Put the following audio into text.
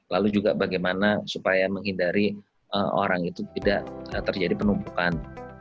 lalu juga bagaimana supaya menghindari orang itu tidak terjadi penumpukan